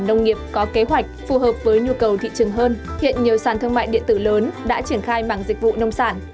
nông nghiệp có kế hoạch phù hợp với nhu cầu thị trường hơn hiện nhiều sản thương mại điện tử lớn đã triển khai mảng dịch vụ nông sản